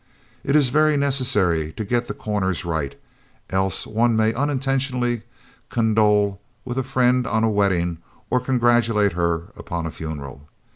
It is very necessary to get the corners right, else one may unintentionally condole with a friend on a wedding or congratulate her upon a funeral.